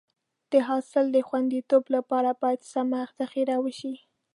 د حاصل د خونديتوب لپاره باید سمه ذخیره وشي.